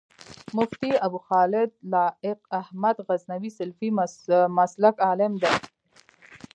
مفتي ابوخالد لائق احمد غزنوي سلفي مسلک عالم دی